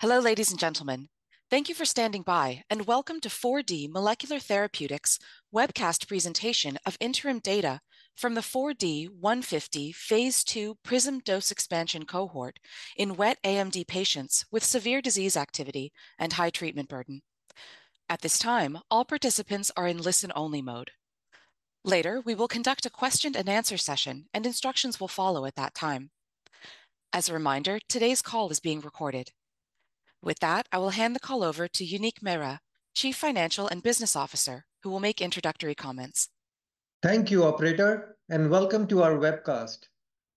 Hello, ladies and gentlemen. Thank you for standing by, and welcome to 4D Molecular Therapeutics webcast presentation of interim data from the 4D-150 phase 2 PRISM dose expansion cohort in wet AMD patients with severe disease activity and high treatment burden. At this time, all participants are in listen-only mode. Later, we will conduct a question and answer session, and instructions will follow at that time. As a reminder, today's call is being recorded. With that, I will hand the call over to Uneek Mehra, Chief Financial and Business Officer, who will make introductory comments. Thank you, operator, and welcome to our webcast.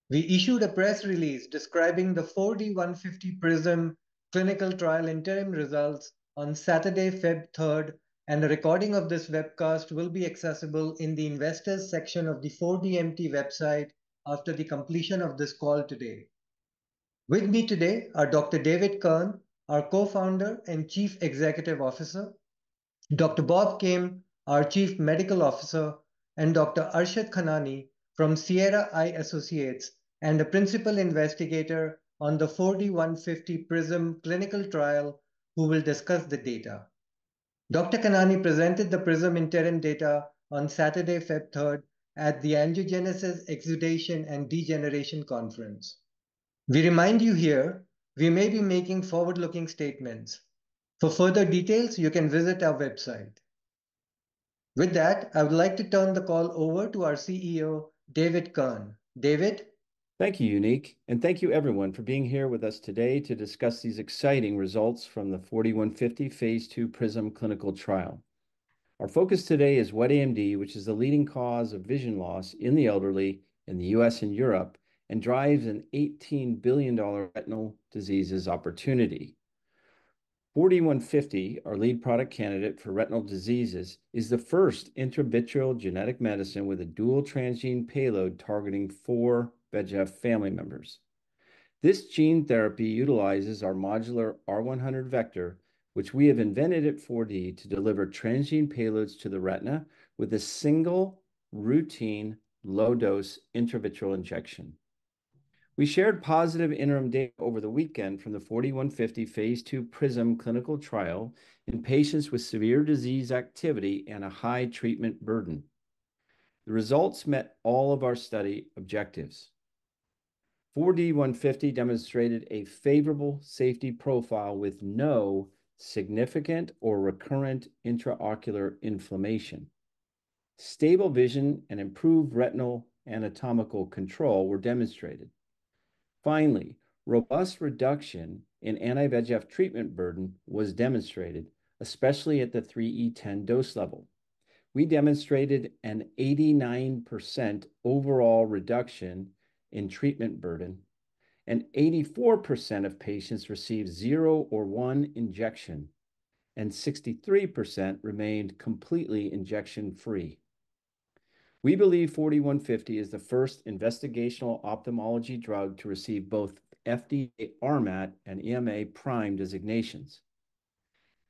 We issued a press release describing the 4D-150 PRISM clinical trial interim results on Saturday, February 3rd, and a recording of this webcast will be accessible in the investors section of the 4DMT website after the completion of this call today. With me today are Dr. David Kirn, our Co-founder and Chief Executive Officer, Dr. Bob Kim, our Chief Medical Officer, and Dr. Arshad Khanani from Sierra Eye Associates and the principal investigator on the 4D-150 PRISM clinical trial, who will discuss the data. Dr. Khanani presented the PRISM interim data on Saturday, February 3rd, at the Angiogenesis, Exudation, and Degeneration conference. We remind you here, we may be making forward-looking statements. For further details, you can visit our website. With that, I would like to turn the call over to our CEO, David Kirn. David? Thank you, Uneek, and thank you everyone for being here with us today to discuss these exciting results from the 4D-150 phase 2 PRISM clinical trial. Our focus today is wet AMD, which is the leading cause of vision loss in the elderly in the U.S. and Europe, and drives an $18 billion retinal diseases opportunity. 4D-150, our lead product candidate for retinal diseases, is the first intravitreal genetic medicine with a dual transgene payload targeting four VEGF family members. This gene therapy utilizes our modular R100 vector, which we have invented at 4D, to deliver transgene payloads to the retina with a single, routine, low-dose intravitreal injection. We shared positive interim data over the weekend from the 4D-150 phase 2 PRISM clinical trial in patients with severe disease activity and a high treatment burden. The results met all of our study objectives. 4D-150 demonstrated a favorable safety profile with no significant or recurrent intraocular inflammation. Stable vision and improved retinal anatomical control were demonstrated. Finally, robust reduction in anti-VEGF treatment burden was demonstrated, especially at the 3E10 dose level. We demonstrated an 89% overall reduction in treatment burden, and 84% of patients received zero or one injection, and 63% remained completely injection-free. We believe 4D-150 is the first investigational ophthalmology drug to receive both FDA RMAT and EMA PRIME designations.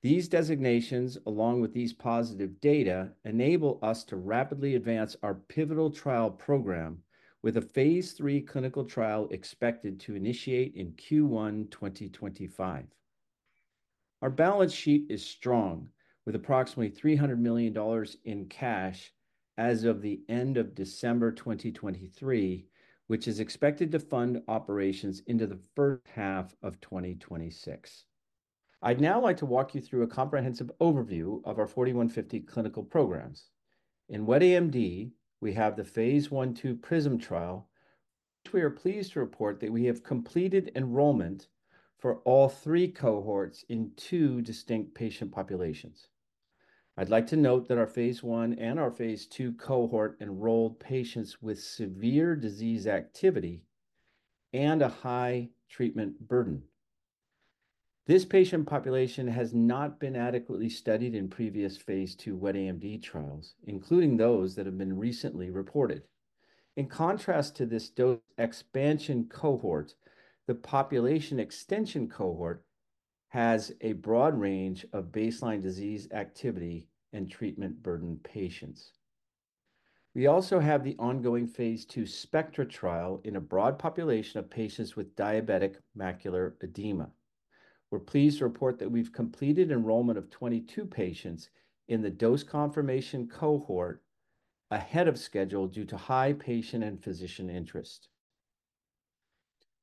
These designations, along with these positive data, enable us to rapidly advance our pivotal trial program with a phase 3 clinical trial expected to initiate in Q1 2025. Our balance sheet is strong, with approximately $300 million in cash as of the end of December 2023, which is expected to fund operations into the first half of 2026. I'd now like to walk you through a comprehensive overview of our 4D-150 clinical programs. In wet AMD, we have the phase 1/2 PRISM trial. We are pleased to report that we have completed enrollment for all three cohorts in two distinct patient populations. I'd like to note that our phase 1 and our phase 2 cohort enrolled patients with severe disease activity and a high treatment burden. This patient population has not been adequately studied in previous phase 2 wet AMD trials, including those that have been recently reported. In contrast to this dose expansion cohort, the population extension cohort has a broad range of baseline disease activity and treatment burden patients. We also have the ongoing phase 2 SPECTRA trial in a broad population of patients with diabetic macular edema. We're pleased to report that we've completed enrollment of 22 patients in the dose confirmation cohort ahead of schedule, due to high patient and physician interest.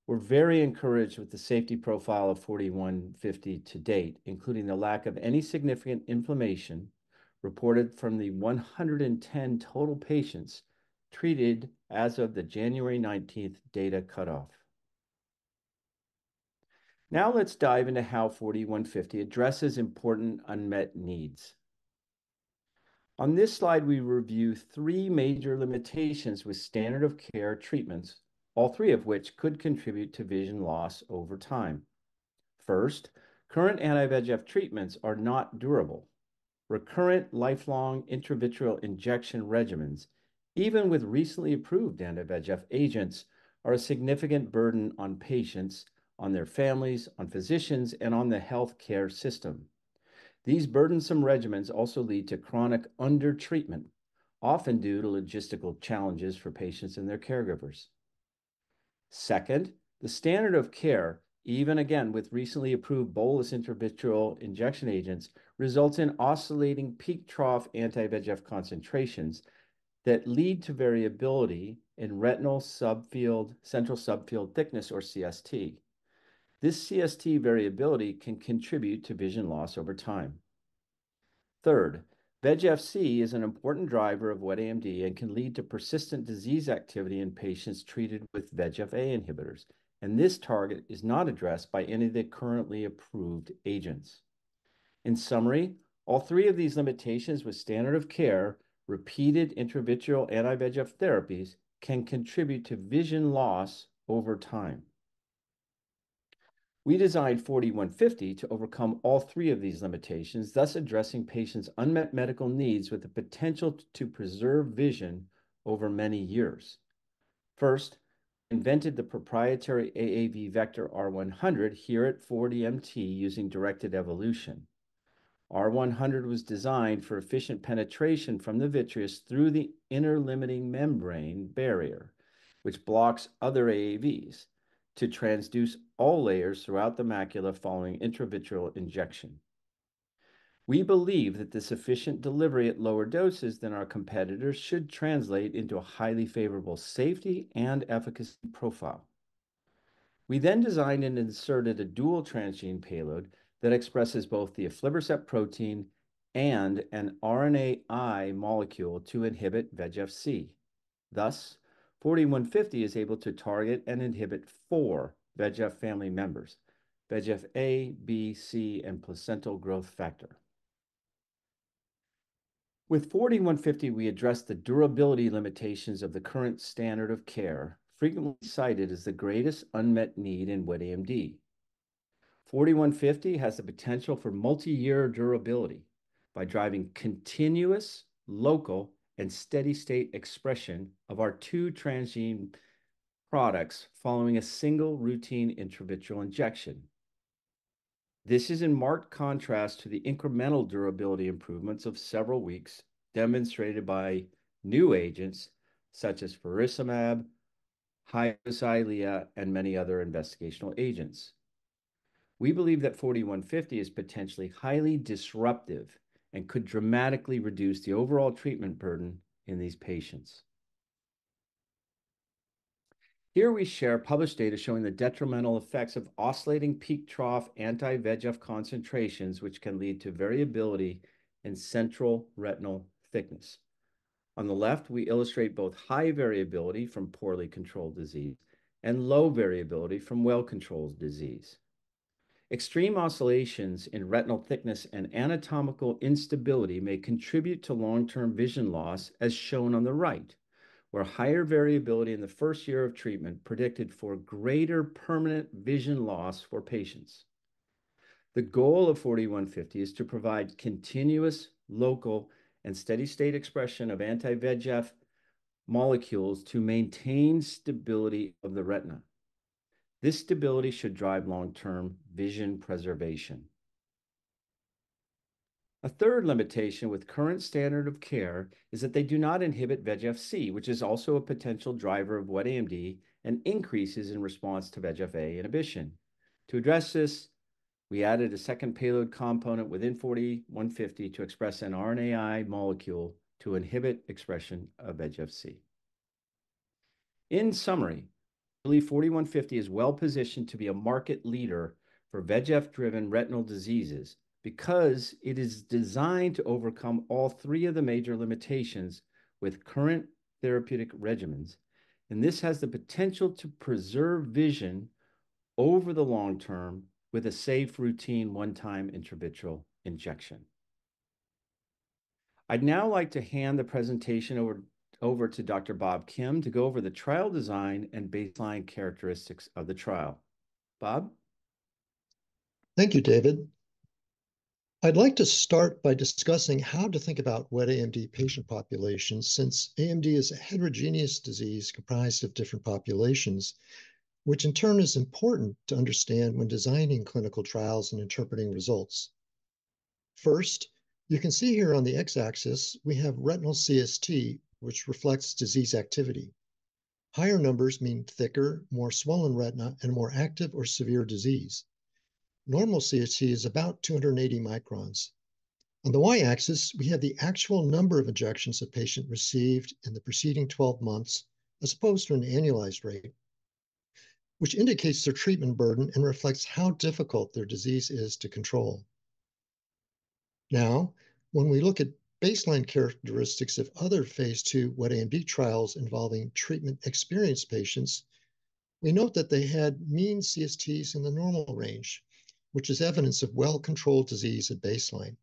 We're very encouraged with the safety profile of 4D-150 to date, including the lack of any significant inflammation reported from the 110 total patients treated as of the January 19th data cutoff. Now, let's dive into how 4D-150 addresses important unmet needs. On this slide, we review three major limitations with standard of care treatments, all three of which could contribute to vision loss over time. First, current anti-VEGF treatments are not durable. Recurrent, lifelong intravitreal injection regimens, even with recently approved anti-VEGF agents, are a significant burden on patients, on their families, on physicians, and on the healthcare system.... These burdensome regimens also lead to chronic undertreatment, often due to logistical challenges for patients and their caregivers. Second, the standard of care, even again with recently approved bolus intravitreal injection agents, results in oscillating peak-trough anti-VEGF concentrations that lead to variability in retinal subfield, central subfield thickness, or CST. This CST variability can contribute to vision loss over time. Third, VEGF-C is an important driver of wet AMD and can lead to persistent disease activity in patients treated with VEGF-A inhibitors, and this target is not addressed by any of the currently approved agents. In summary, all three of these limitations with standard of care, repeated intravitreal anti-VEGF therapies, can contribute to vision loss over time. We designed 4D-150 to overcome all three of these limitations, thus addressing patients' unmet medical needs with the potential to preserve vision over many years. First, invented the proprietary AAV vector R100 here at 4DMT using directed evolution. R100 was designed for efficient penetration from the vitreous through the inner limiting membrane barrier, which blocks other AAVs, to transduce all layers throughout the macula following intravitreal injection. We believe that this efficient delivery at lower doses than our competitors should translate into a highly favorable safety and efficacy profile. We then designed and inserted a dual transgene payload that expresses both the aflibercept protein and an RNAi molecule to inhibit VEGF-C. Thus, 4D-150 is able to target and inhibit four VEGF family members: VEGF-A, B, C, and placental growth factor. With 4D-150, we address the durability limitations of the current standard of care, frequently cited as the greatest unmet need in wet AMD. 4D-150 has the potential for multi-year durability by driving continuous, local, and steady state expression of our two transgene products following a single routine intravitreal injection. This is in marked contrast to the incremental durability improvements of several weeks demonstrated by new agents such as faricimab, Eylea HD, and many other investigational agents. We believe that 4D-150 is potentially highly disruptive and could dramatically reduce the overall treatment burden in these patients. Here we share published data showing the detrimental effects of oscillating peak-trough anti-VEGF concentrations, which can lead to variability in central retinal thickness. On the left, we illustrate both high variability from poorly controlled disease and low variability from well-controlled disease. Extreme oscillations in retinal thickness and anatomical instability may contribute to long-term vision loss, as shown on the right, where higher variability in the first year of treatment predicted for greater permanent vision loss for patients. The goal of 4D-150 is to provide continuous, local, and steady state expression of anti-VEGF molecules to maintain stability of the retina. This stability should drive long-term vision preservation. A third limitation with current standard of care is that they do not inhibit VEGF-C, which is also a potential driver of wet AMD and increases in response to VEGF-A inhibition. To address this, we added a second payload component within 4D-150 to express an RNAi molecule to inhibit expression of VEGF-C. In summary, we believe 4D-150 is well-positioned to be a market leader for VEGF-driven retinal diseases because it is designed to overcome all three of the major limitations with current therapeutic regimens, and this has the potential to preserve vision over the long term with a safe, routine, one-time intravitreal injection. I'd now like to hand the presentation over to Dr. Bob Kim to go over the trial design and baseline characteristics of the trial. Bob? Thank you, David. I'd like to start by discussing how to think about wet AMD patient populations, since AMD is a heterogeneous disease comprised of different populations, which in turn is important to understand when designing clinical trials and interpreting results. First, you can see here on the X-axis, we have retinal CST, which reflects disease activity. Higher numbers mean thicker, more swollen retina, and more active or severe disease. Normal CST is about 280 microns. On the Y-axis, we have the actual number of injections a patient received in the preceding twelve months, as opposed to an annualized rate, which indicates their treatment burden and reflects how difficult their disease is to control. Now, when we look at baseline characteristics of other phase 2 wet AMD trials involving treatment-experienced patients, we note that they had mean CSTs in the normal range, which is evidence of well-controlled disease at baseline.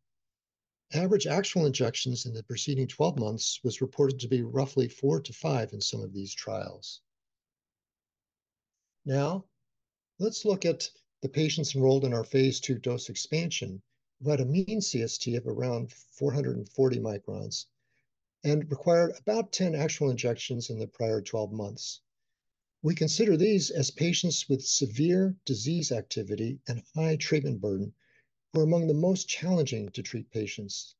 Average actual injections in the preceding 12 months was reported to be roughly 4-5 in some of these trials. Now, let's look at the patients enrolled in our Phase 2 Dose Expansion, who had a mean CST of around 440 microns and required about 10 actual injections in the prior 12 months. We consider these as patients with severe disease activity and high treatment burden, who are among the most challenging-to-treat patients.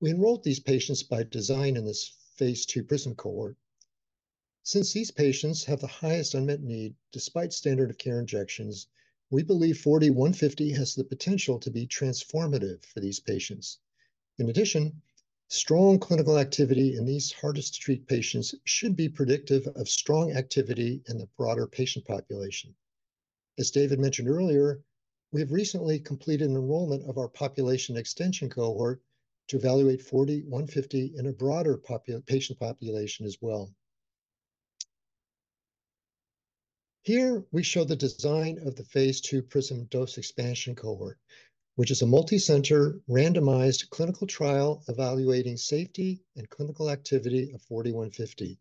We enrolled these patients by design in this phase 2 PRISM cohort. Since these patients have the highest unmet need despite standard of care injections, we believe 4D-150 has the potential to be transformative for these patients. In addition, strong clinical activity in these hardest-to-treat patients should be predictive of strong activity in the broader patient population. As David mentioned earlier, we have recently completed an enrollment of our population extension cohort to evaluate 4D-150 in a broader patient population as well. Here, we show the design of the Phase 2 PRISM dose expansion cohort, which is a multicenter, randomized, clinical trial evaluating safety and clinical activity of 4D-150.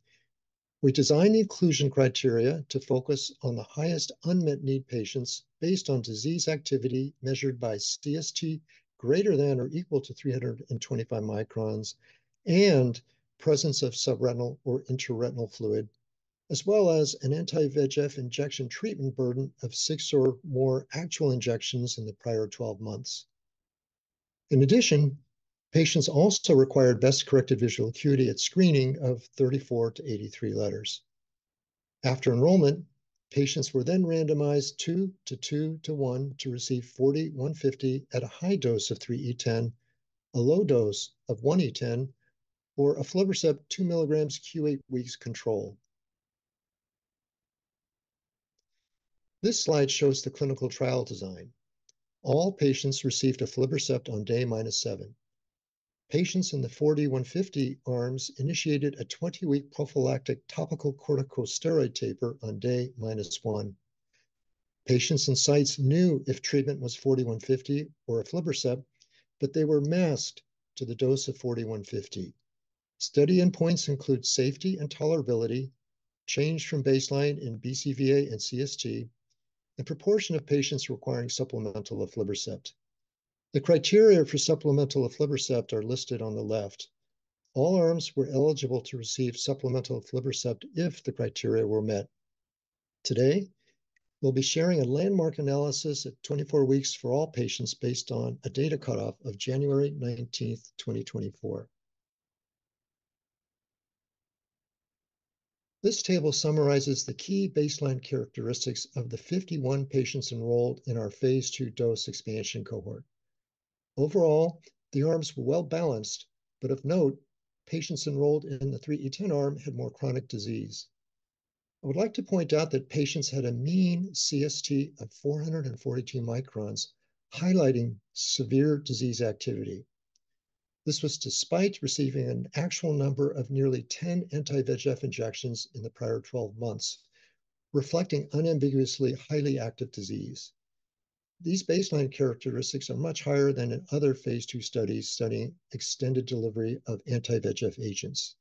We designed the inclusion criteria to focus on the highest unmet need patients based on disease activity measured by CST greater than or equal to 325 microns, and presence of subretinal or intraretinal fluid, as well as an anti-VEGF injection treatment burden of 6 or more actual injections in the prior 12 months. In addition, patients also required best corrected visual acuity at screening of 34-83 letters. After enrollment, patients were then randomized 2 to 2 to 1 to receive 4D-150 at a high dose of 3E10, a low dose of 1E10, or aflibercept 2 milligrams Q8 weeks control. This slide shows the clinical trial design. All patients received aflibercept on day -7. Patients in the 4D-150 arms initiated a 20-week prophylactic topical corticosteroid taper on day -1. Patients and sites knew if treatment was 4D-150 or aflibercept, but they were masked to the dose of 4D-150. Study endpoints include safety and tolerability, change from baseline in BCVA and CST, and proportion of patients requiring supplemental aflibercept. The criteria for supplemental aflibercept are listed on the left. All arms were eligible to receive supplemental aflibercept if the criteria were met. Today, we'll be sharing a landmark analysis at 24 weeks for all patients based on a data cutoff of January 19th, 2024. This table summarizes the key baseline characteristics of the 51 patients enrolled in our Phase 2 Dose Expansion cohort. Overall, the arms were well-balanced, but of note, patients enrolled in the 3E10 arm had more chronic disease. I would like to point out that patients had a mean CST of 442 microns, highlighting severe disease activity. This was despite receiving an actual number of nearly 10 anti-VEGF injections in the prior 12 months, reflecting unambiguously highly active disease. These baseline characteristics are much higher than in other phase II studies studying extended delivery of anti-VEGF agents.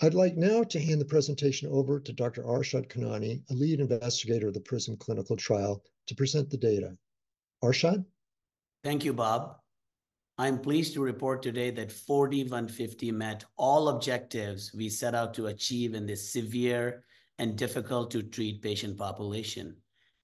I'd like now to hand the presentation over to Dr. Arshad Khanani, a lead investigator of the PRISM clinical trial, to present the data. Arshad? Thank you, Bob. I'm pleased to report today that 4D-150 met all objectives we set out to achieve in this severe and difficult-to-treat patient population.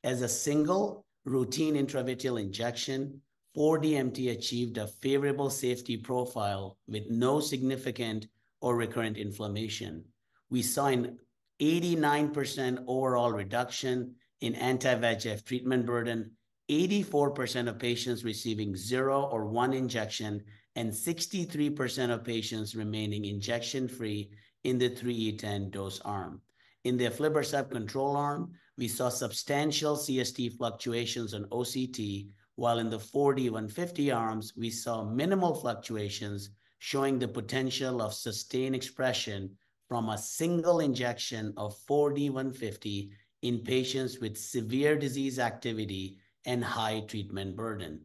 As a single routine intravitreal injection, 4D-150 achieved a favorable safety profile with no significant or recurrent inflammation. We saw an 89% overall reduction in anti-VEGF treatment burden, 84% of patients receiving zero or one injection, and 63% of patients remaining injection-free in the 3E10 dose arm. In the aflibercept control arm, we saw substantial CST fluctuations on OCT, while in the 4D-150 arms, we saw minimal fluctuations, showing the potential of sustained expression from a single injection of 4D-150 in patients with severe disease activity and high treatment burden.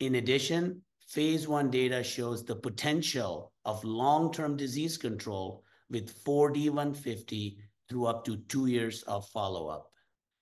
In addition, phase I data shows the potential of long-term disease control with 4D-150 through up to two years of follow-up.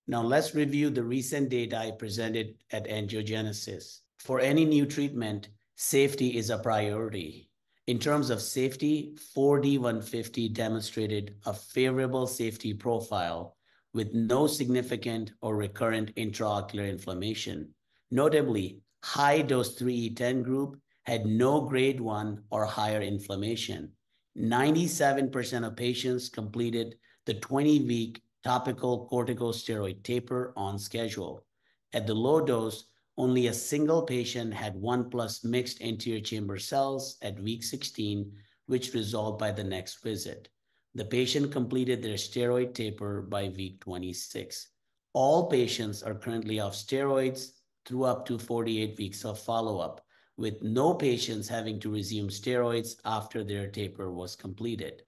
Now, let's review the recent data I presented at Angiogenesis. For any new treatment, safety is a priority. In terms of safety, 4D-150 demonstrated a favorable safety profile with no significant or recurrent intraocular inflammation. Notably, high-dose 3E10 group had no grade 1 or higher inflammation. 97% of patients completed the 20-week topical corticosteroid taper on schedule. At the low dose, only a single patient had 1+ mixed anterior chamber cells at week 16, which resolved by the next visit. The patient completed their steroid taper by week 26. All patients are currently off steroids through up to 48 weeks of follow-up, with no patients having to resume steroids after their taper was completed.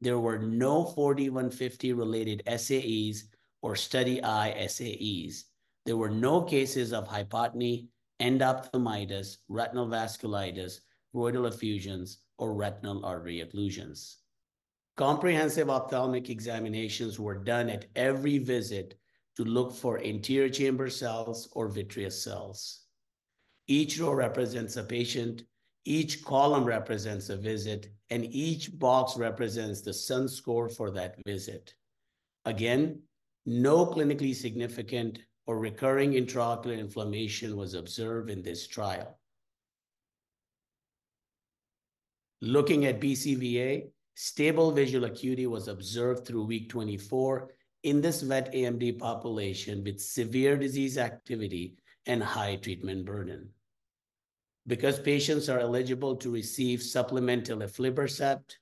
There were no 4D-150-related SAEs or study eye SAEs. There were no cases of hypotony, endophthalmitis, retinal vasculitis, retinal effusions, or retinal artery occlusions. Comprehensive ophthalmic examinations were done at every visit to look for anterior chamber cells or vitreous cells. Each row represents a patient, each column represents a visit, and each box represents the SUN score for that visit. Again, no clinically significant or recurring intraocular inflammation was observed in this trial. Looking at BCVA, stable visual acuity was observed through week 24 in this wet AMD population with severe disease activity and high treatment burden. Because patients are eligible to receive supplemental aflibercept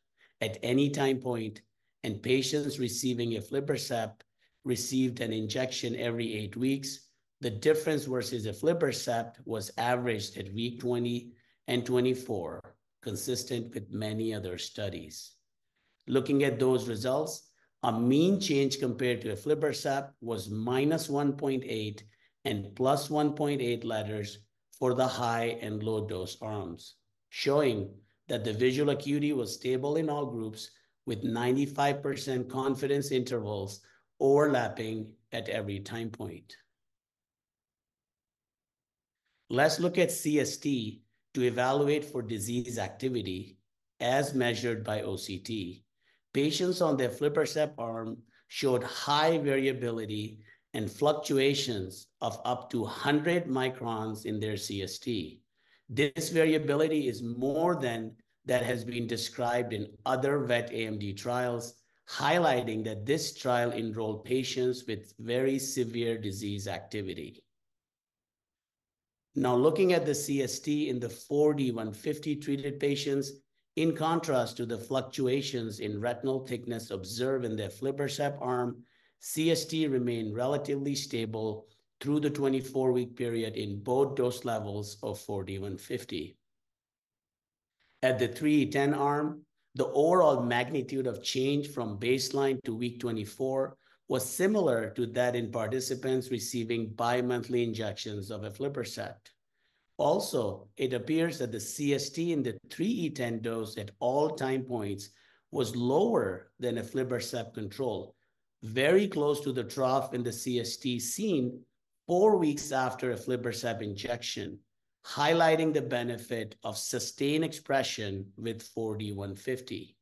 at any time point, and patients receiving aflibercept received an injection every eight weeks, the difference versus aflibercept was averaged at week 20 and 24, consistent with many other studies. Looking at those results, a mean change compared to aflibercept was -1.8 and +1.8 letters for the high and low-dose arms, showing that the visual acuity was stable in all groups, with 95% confidence intervals overlapping at every time point. Let's look at CST to evaluate for disease activity as measured by OCT. Patients on the aflibercept arm showed high variability and fluctuations of up to 100 microns in their CST. This variability is more than that has been described in other wet AMD trials, highlighting that this trial enrolled patients with very severe disease activity. Now, looking at the CST in the 4D-150 treated patients, in contrast to the fluctuations in retinal thickness observed in the aflibercept arm, CST remained relatively stable through the 24-week period in both dose levels of 4D-150. At the 3E10 arm, the overall magnitude of change from baseline to week 24 was similar to that in participants receiving bimonthly injections of aflibercept. Also, it appears that the CST in the 3E10 dose at all time points was lower than aflibercept control, very close to the trough in the CST seen four weeks after aflibercept injection, highlighting the benefit of sustained expression with 4D-150.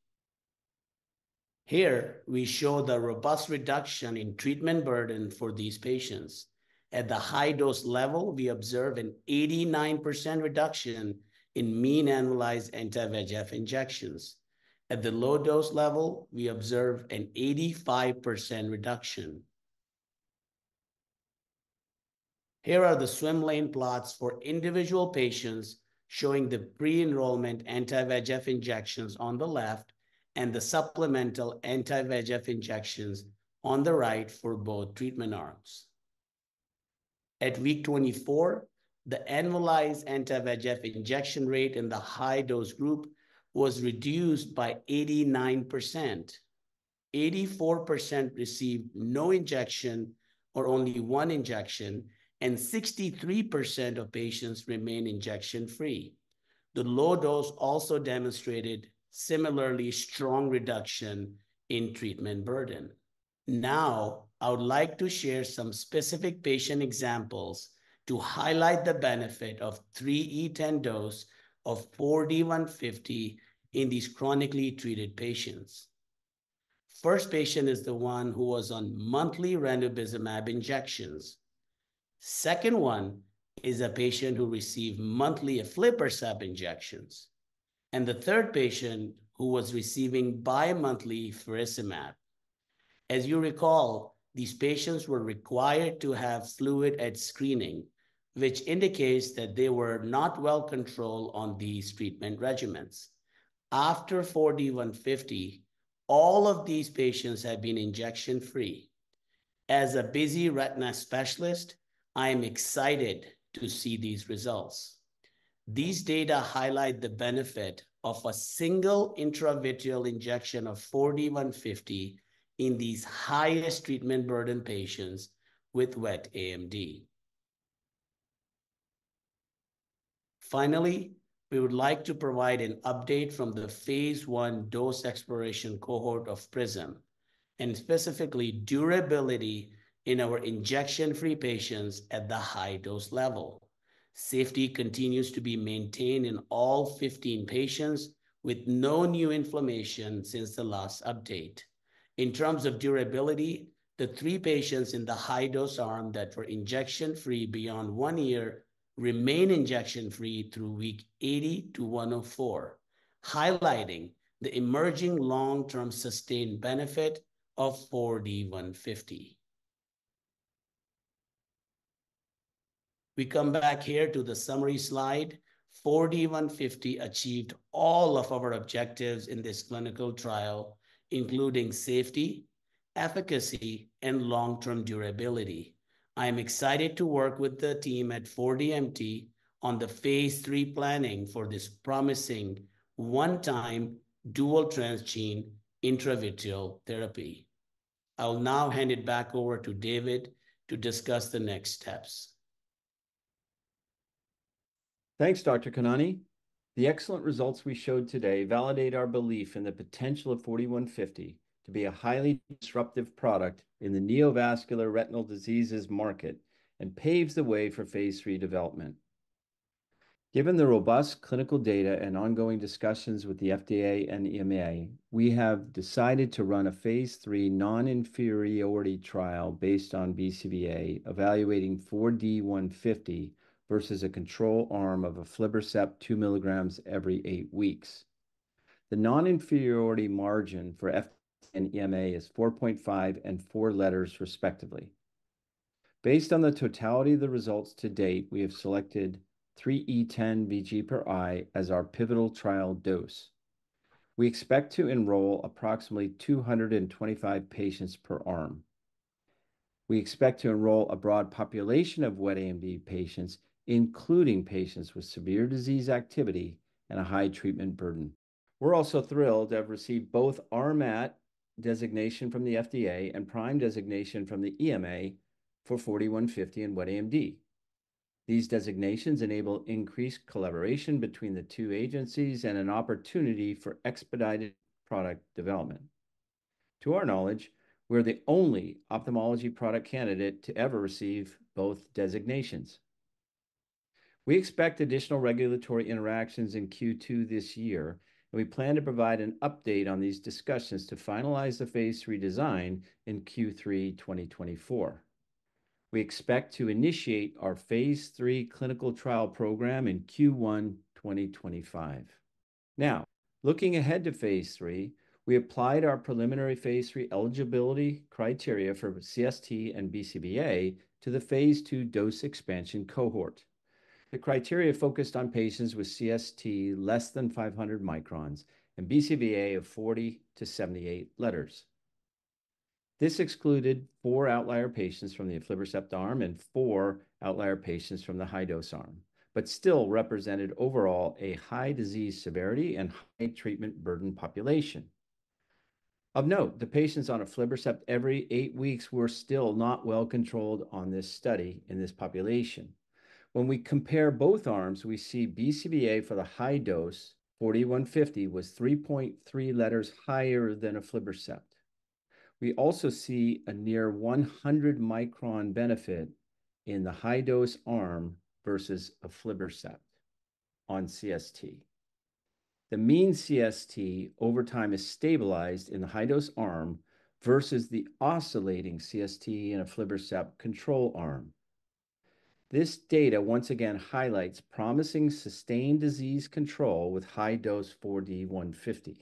Here, we show the robust reduction in treatment burden for these patients. At the high dose level, we observe an 89% reduction in mean annualized anti-VEGF injections. At the low dose level, we observe an 85% reduction. Here are the swim lane plots for individual patients, showing the pre-enrollment anti-VEGF injections on the left and the supplemental anti-VEGF injections on the right for both treatment arms. At week 24, the annualized anti-VEGF injection rate in the high-dose group was reduced by 89%. 84% received no injection or only one injection, and 63% of patients remained injection-free. The low dose also demonstrated similarly strong reduction in treatment burden. Now, I would like to share some specific patient examples to highlight the benefit of 3E10 dose of 4D-150 in these chronically treated patients. First patient is the one who was on monthly ranibizumab injections. Second one is a patient who received monthly aflibercept injections, and the third patient, who was receiving bimonthly faricimab. As you recall, these patients were required to have fluid at screening, which indicates that they were not well controlled on these treatment regimens. After 4D-150, all of these patients have been injection-free. As a busy retina specialist, I am excited to see these results. These data highlight the benefit of a single intravitreal injection of 4D-150 in these highest treatment burden patients with wet AMD. Finally, we would like to provide an update from the phase I dose exploration cohort of PRISM, and specifically, durability in our injection-free patients at the high dose level. Safety continues to be maintained in all 15 patients, with no new inflammation since the last update. In terms of durability, the three patients in the high-dose arm that were injection-free beyond 1 year remain injection-free through week 80 to 104, highlighting the emerging long-term sustained benefit of 4D-150. We come back here to the summary slide. 4D-150 achieved all of our objectives in this clinical trial, including safety, efficacy, and long-term durability. I am excited to work with the team at 4DMT on the phase III planning for this promising one-time dual transgene intravitreal therapy. I'll now hand it back over to David to discuss the next steps. Thanks, Dr. Khanani. The excellent results we showed today validate our belief in the potential of 4D-150 to be a highly disruptive product in the neovascular retinal diseases market and paves the way for phase III development. Given the robust clinical data and ongoing discussions with the FDA and EMA, we have decided to run a phase III non-inferiority trial based on BCVA, evaluating 4D-150 versus a control arm of aflibercept 2 milligrams every eight weeks. The non-inferiority margin for FDA and EMA is 4.5 and 4 letters, respectively. Based on the totality of the results to date, we have selected 3E10 VG per eye as our pivotal trial dose. We expect to enroll approximately 225 patients per arm. We expect to enroll a broad population of wet AMD patients, including patients with severe disease activity and a high treatment burden. We're also thrilled to have received both RMAT designation from the FDA and PRIME designation from the EMA for 4D-150 in wet AMD. These designations enable increased collaboration between the two agencies and an opportunity for expedited product development. To our knowledge, we're the only ophthalmology product candidate to ever receive both designations. We expect additional regulatory interactions in Q2 this year, and we plan to provide an update on these discussions to finalize the phase III design in Q3 2024. We expect to initiate our phase III clinical trial program in Q1 2025. Now, looking ahead to phase III, we applied our preliminary phase III eligibility criteria for CST and BCVA to the phase II dose expansion cohort. The criteria focused on patients with CST less than 500 microns and BCVA of 40-78 letters. This excluded 4 outlier patients from the aflibercept arm and 4 outlier patients from the high-dose arm, but still represented overall a high disease severity and high treatment burden population. Of note, the patients on aflibercept every eight weeks were still not well-controlled on this study in this population. When we compare both arms, we see BCVA for the high dose, 4D-150, was 3.3 letters higher than aflibercept. We also see a near 100-micron benefit in the high-dose arm versus aflibercept on CST. The mean CST over time is stabilized in the high-dose arm versus the oscillating CST in aflibercept control arm. This data once again highlights promising sustained disease control with high-dose 4D-150.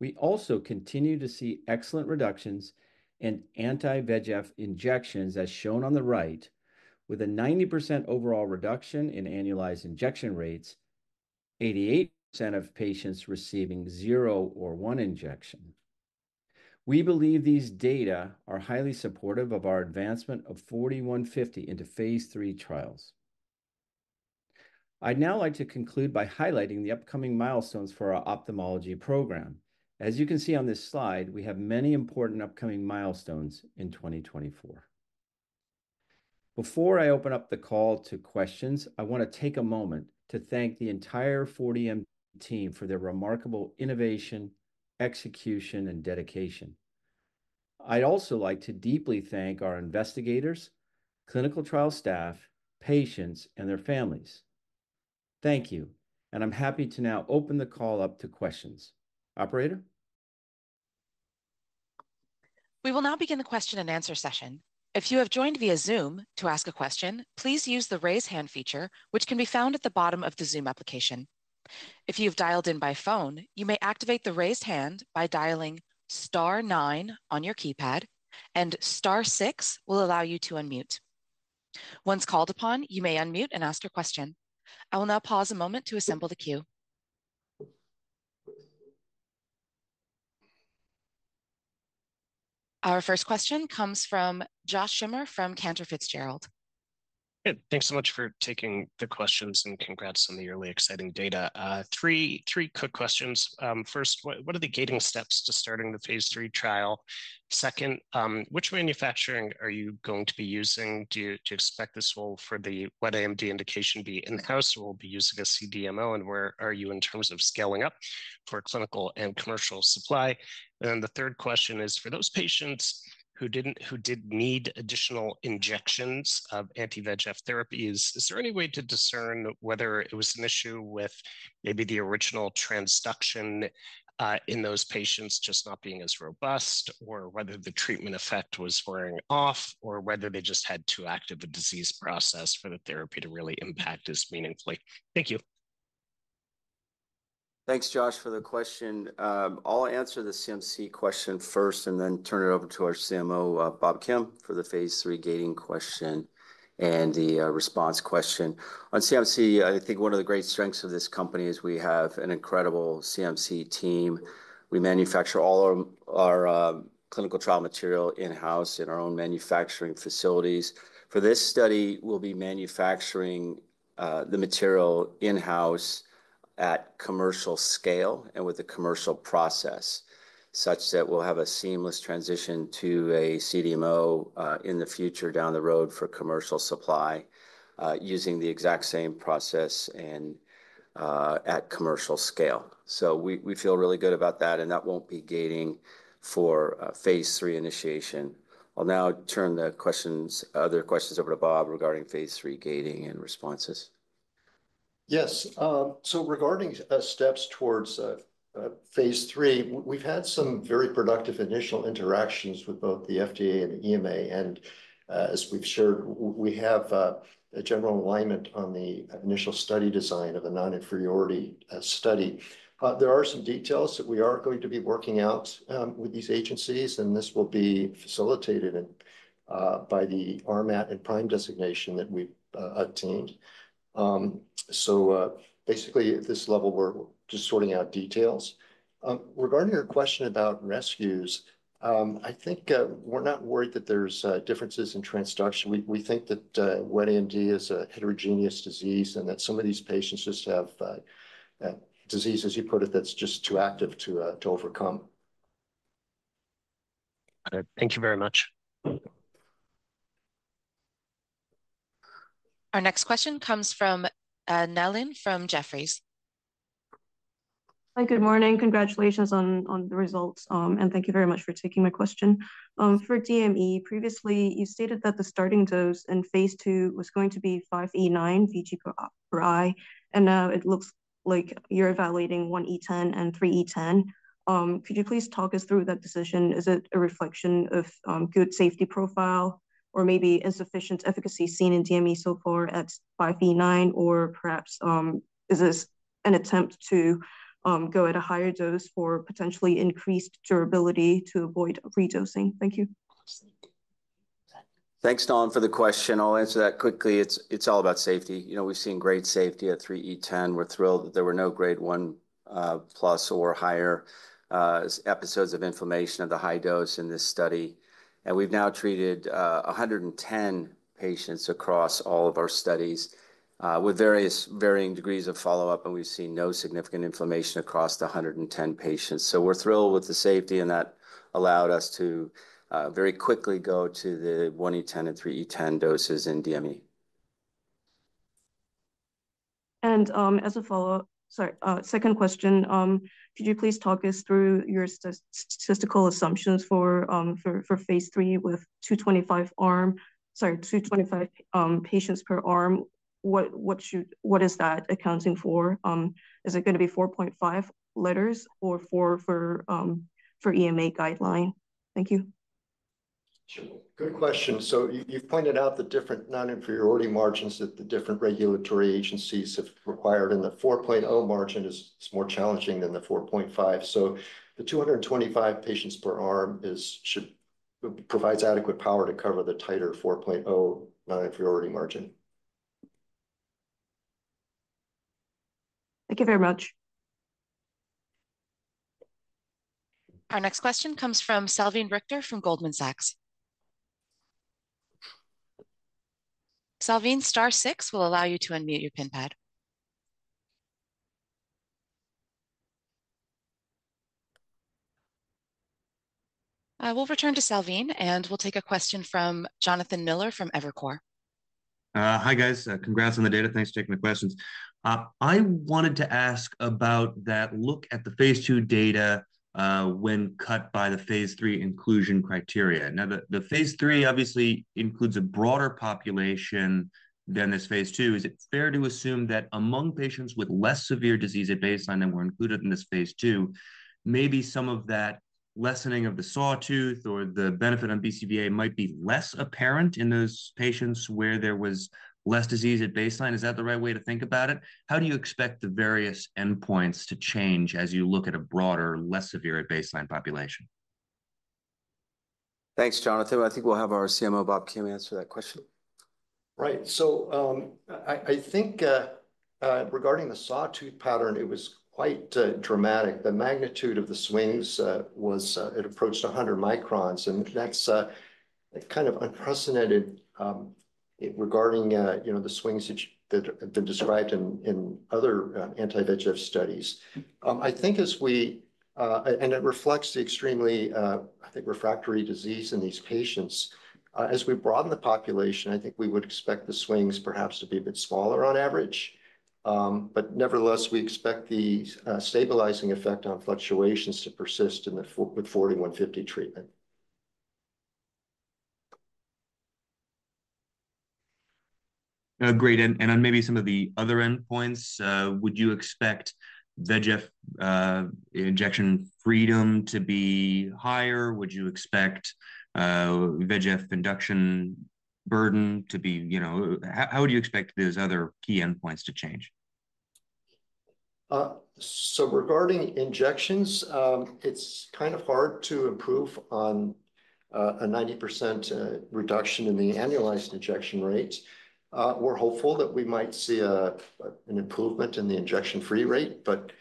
We also continue to see excellent reductions in anti-VEGF injections, as shown on the right, with a 90% overall reduction in annualized injection rates, 88% of patients receiving zero or one injection. We believe these data are highly supportive of our advancement of 4D-150 into phase III trials. I'd now like to conclude by highlighting the upcoming milestones for our ophthalmology program. As you can see on this slide, we have many important upcoming milestones in 2024. Before I open up the call to questions, I wanna take a moment to thank the entire 4DMT team for their remarkable innovation, execution, and dedication. I'd also like to deeply thank our investigators, clinical trial staff, patients, and their families. Thank you, and I'm happy to now open the call up to questions. Operator? We will now begin the question and answer session. If you have joined via Zoom, to ask a question, please use the Raise Hand feature, which can be found at the bottom of the Zoom application. If you've dialed in by phone, you may activate the Raise Hand by dialing star nine on your keypad, and star six will allow you to unmute. Once called upon, you may unmute and ask your question. I will now pause a moment to assemble the queue. Our first question comes from Josh Schimmer from Cantor Fitzgerald. Good. Thanks so much for taking the questions, and congrats on the really exciting data. Three quick questions. First, what are the gating steps to starting the phase III trial? Second, which manufacturing are you going to be using? Do you expect this will, for the wet AMD indication, be in-house, or will you be using a CDMO, and where are you in terms of scaling up for clinical and commercial supply? And then the third question is, for those patients who did need additional injections of anti-VEGF therapies, is there any way to discern whether it was an issue with maybe the original transduction in those patients just not being as robust, or whether the treatment effect was wearing off, or whether they just had too active a disease process for the therapy to really impact this meaningfully? Thank you. Thanks, Josh, for the question. I'll answer the CMC question first, and then turn it over to our CMO, Bob Kim, for the phase III gating question and the response question. On CMC, I think one of the great strengths of this company is we have an incredible CMC team. We manufacture all of our,... clinical trial material in-house in our own manufacturing facilities. For this study, we'll be manufacturing the material in-house at commercial scale and with a commercial process, such that we'll have a seamless transition to a CDMO in the future down the road for commercial supply using the exact same process and at commercial scale. So we, we feel really good about that, and that won't be gating for phase III initiation. I'll now turn the questions- other questions over to Bob regarding phase III gating and responses. Yes, so regarding steps towards phase III, we've had some very productive initial interactions with both the FDA and EMA. And as we've shared, we have a general alignment on the initial study design of a non-inferiority study. There are some details that we are going to be working out with these agencies, and this will be facilitated by the RMAT and PRIME designation that we've attained. So basically, at this level, we're just sorting out details. Regarding your question about rescues, I think we're not worried that there's differences in transduction. We think that wet AMD is a heterogeneous disease, and that some of these patients just have disease, as you put it, that's just too active to overcome. Thank you very much. Our next question comes from Kelly Shi from Jefferies. Hi, good morning. Congratulations on the results, and thank you very much for taking my question. For DME, previously, you stated that the starting dose in phase II was going to be 5e9 VG per eye, and now it looks like you're evaluating 1e10 and 3e10. Could you please talk us through that decision? Is it a reflection of good safety profile or maybe insufficient efficacy seen in DME so far at 5e9? Or perhaps is this an attempt to go at a higher dose for potentially increased durability to avoid redosing? Thank you. Thanks, Kelly, for the question. I'll answer that quickly. It's all about safety. You know, we've seen great safety at 3e10. We're thrilled that there were no grade one plus or higher episodes of inflammation of the high dose in this study. And we've now treated 110 patients across all of our studies with varying degrees of follow-up, and we've seen no significant inflammation across the 110 patients. So we're thrilled with the safety, and that allowed us to very quickly go to the 1e10 and 3e10 doses in DME. As a follow-up, second question, could you please talk us through your statistical assumptions for phase 3 with 225 patients per arm? What is that accounting for? Is it gonna be 4.5% or 4% for EMA guideline? Thank you. Sure. Good question. So you've pointed out the different non-inferiority margins that the different regulatory agencies have required, and the 4.0 margin is more challenging than the 4.5. So the 225 patients per arm should provide adequate power to cover the tighter 4.0 non-inferiority margin. Thank you very much. Our next question comes from Salveen Richter from Goldman Sachs. Salveen, star six will allow you to unmute your keypad. I will return to Salveen, and we'll take a question from Jonathan Miller from Evercore ISI. Hi, guys. Congrats on the data. Thanks for taking the questions. I wanted to ask about that look at the phase II data, when cut by the phase III inclusion criteria. Now, the, the phase III obviously includes a broader population than this phase 2. Is it fair to assume that among patients with less severe disease at baseline and were included in this phase II, maybe some of that lessening of the sawtooth or the benefit on BCVA might be less apparent in those patients where there was less disease at baseline? Is that the right way to think about it? How do you expect the various endpoints to change as you look at a broader, less severe at baseline population? Thanks, Jonathan. I think we'll have our CMO, Bob Kim, answer that question. Right. So, I think, regarding the sawtooth pattern, it was quite dramatic. The magnitude of the swings was, it approached 100 microns, and that's kind of unprecedented, regarding, you know, the swings that have been described in other anti-VEGF studies. I think as we and it reflects the extremely, I think, refractory disease in these patients. As we broaden the population, I think we would expect the swings perhaps to be a bit smaller on average. But nevertheless, we expect the stabilizing effect on fluctuations to persist in the 4D-150 treatment. Great. And on maybe some of the other endpoints, would you expect VEGF injection freedom to be higher? Would you expect VEGF induction burden to be... You know, how would you expect those other key endpoints to change? So regarding injections, it's kind of hard to improve on a 90% reduction in the annualized injection rate. We're hopeful that we might see an improvement in the injection-free rate, but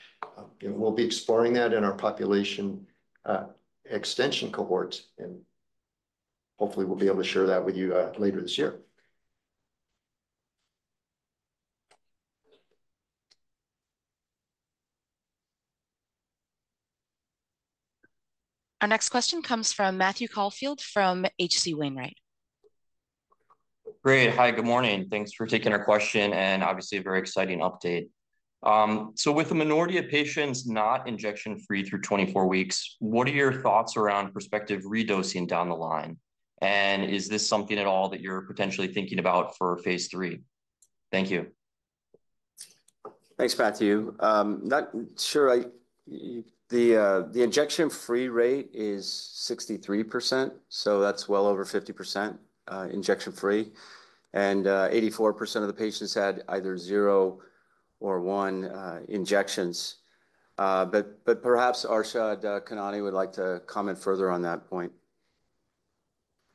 you know, we'll be exploring that in our population extension cohort, and hopefully we'll be able to share that with you later this year. Our next question comes from Matthew Caufield from H.C. Wainwright. Great. Hi, good morning. Thanks for taking our question, and obviously a very exciting update. So with a minority of patients not injection-free through 24 weeks, what are your thoughts around prospective redosing down the line? And is this something at all that you're potentially thinking about for Phase III? Thank you. Thanks, Matthew. Not sure the injection-free rate is 63%, so that's well over 50% injection-free, and 84% of the patients had either 0 or 1 injections. But perhaps Arshad Khanani would like to comment further on that point.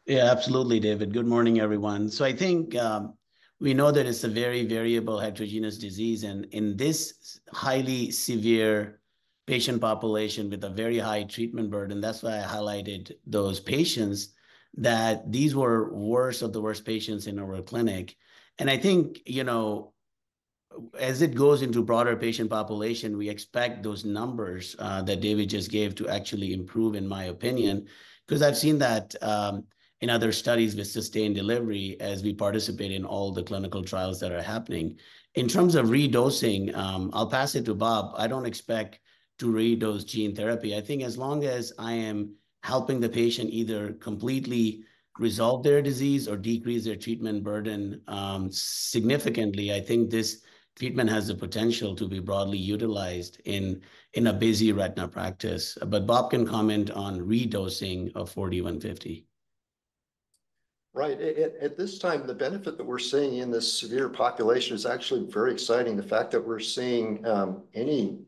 Yeah, absolutely, David. Good morning, everyone. So I think, we know that it's a very variable heterogeneous disease, and in this highly severe patient population with a very high treatment burden, that's why I highlighted those patients, that these were worst of the worst patients in our clinic. And I think, you know, as it goes into broader patient population, we expect those numbers, that David just gave to actually improve, in my opinion, 'cause I've seen that, in other studies with sustained delivery as we participate in all the clinical trials that are happening. In terms of redosing, I'll pass it to Bob. I don't expect to redose gene therapy. I think as long as I am helping the patient either completely resolve their disease or decrease their treatment burden significantly, I think this treatment has the potential to be broadly utilized in a busy retina practice. But Bob can comment on redosing of 4D-150. Right. At this time, the benefit that we're seeing in this severe population is actually very exciting. The fact that we're seeing any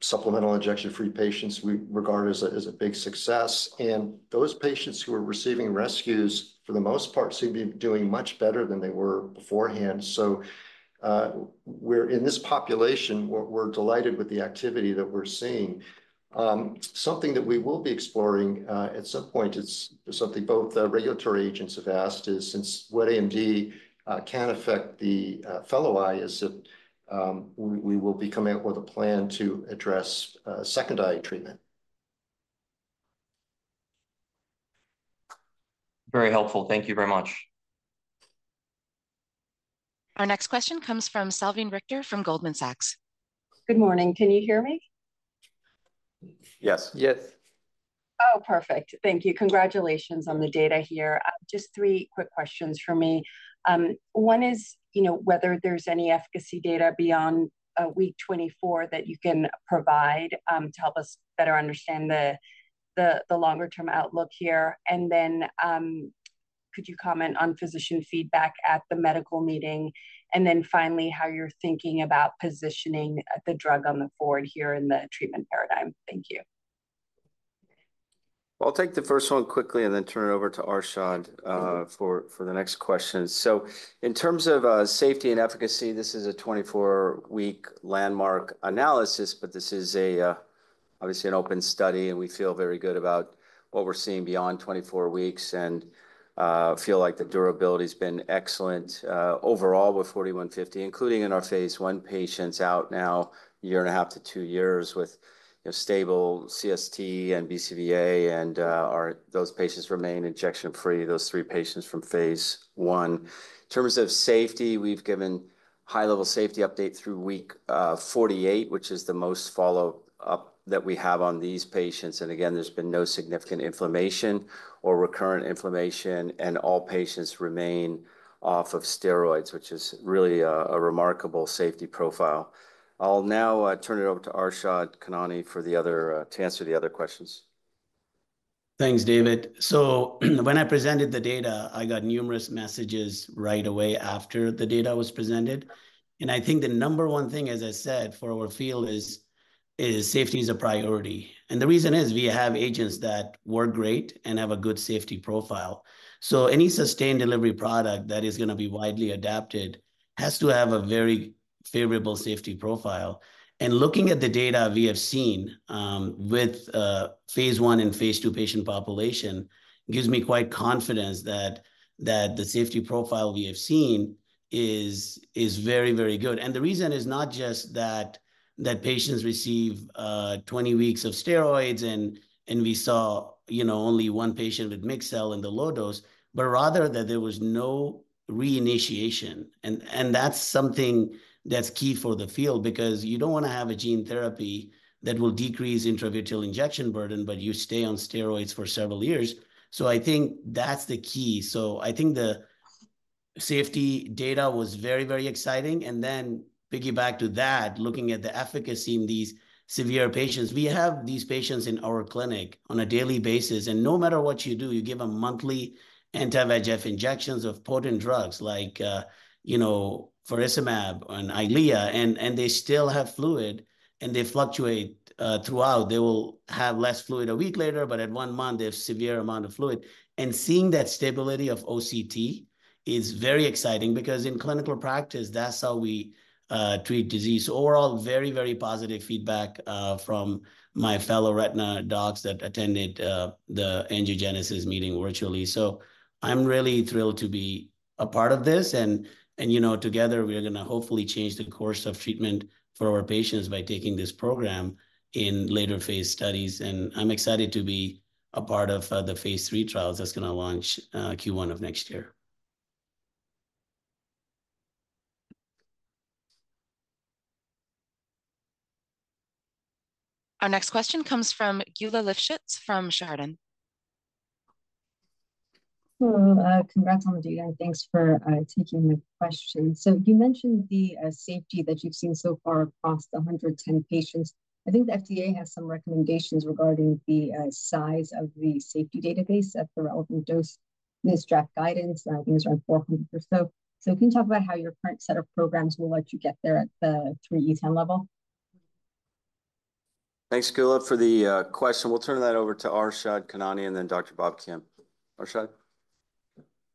supplemental injection-free patients, we regard as a big success, and those patients who are receiving rescues, for the most part, seem to be doing much better than they were beforehand. So, we're in this population, we're delighted with the activity that we're seeing. Something that we will be exploring at some point, it's something both the regulatory agents have asked, is since wet AMD can affect the fellow eye, is if we will be coming up with a plan to address second eye treatment. Very helpful. Thank you very much. Our next question comes from Salveen Richter from Goldman Sachs. Good morning. Can you hear me? Yes. Yes. Oh, perfect. Thank you. Congratulations on the data here. Just three quick questions for me. One is, you know, whether there's any efficacy data beyond week 24 that you can provide to help us better understand the longer-term outlook here. And then, could you comment on physician feedback at the medical meeting? And then finally, how you're thinking about positioning the drug going forward here in the treatment paradigm. Thank you. I'll take the first one quickly and then turn it over to Arshad for the next question. So in terms of safety and efficacy, this is a 24-week landmark analysis, but this is obviously an open study, and we feel very good about what we're seeing beyond 24 weeks and feel like the durability's been excellent overall with 4D-150, including in our phase I patients out now 1.5 to 2 years with a stable CST and BCVA, and those patients remain injection free, those three patients from phase I. In terms of safety, we've given high-level safety update through week 48, which is the most follow-up that we have on these patients. And again, there's been no significant inflammation or recurrent inflammation, and all patients remain off of steroids, which is really a, a remarkable safety profile. I'll now turn it over to Arshad Khanani for the other to answer the other questions. Thanks, David. So when I presented the data, I got numerous messages right away after the data was presented, and I think the number one thing, as I said, for our field is safety is a priority. And the reason is, we have agents that work great and have a good safety profile. So any sustained delivery product that is gonna be widely adapted has to have a very favorable safety profile. And looking at the data we have seen with phase I and phase II patient population gives me quite confidence that the safety profile we have seen is very, very good. And the reason is not just that patients receive 20 weeks of steroids and we saw, you know, only one patient with mixed cell in the low dose, but rather that there was no reinitiation. And that's something that's key for the field because you don't want to have a gene therapy that will decrease intravitreal injection burden, but you stay on steroids for several years. So I think that's the key. So I think the safety data was very, very exciting. And then piggyback to that, looking at the efficacy in these severe patients, we have these patients in our clinic on a daily basis, and no matter what you do, you give them monthly anti-VEGF injections of potent drugs like, you know, bevacizumab and Eylea, and they still have fluid, and they fluctuate throughout. They will have less fluid a week later, but at one month, they have severe amount of fluid. And seeing that stability of OCT is very exciting because in clinical practice, that's how we treat disease. So overall, very, very positive feedback from my fellow retina docs that attended the angiogenesis meeting virtually. So I'm really thrilled to be a part of this, and you know, together, we are going to hopefully change the course of treatment for our patients by taking this program in later-phase studies. And I'm excited to be a part of the phase III trials that's going to launch Q1 of next year. Our next question comes from Geulah Livshits from Chardan. Hello. Congrats on the data, and thanks for taking the question. So you mentioned the safety that you've seen so far across the 110 patients. I think the FDA has some recommendations regarding the size of the safety database of the relevant dose. This draft guidance, I think, is around 400 or so. So can you talk about how your current set of programs will let you get there at the 3E10 level? Thanks, Geulah, for the question. We'll turn that over to Arshad Khanani and then Dr. Bob Kim. Arshad?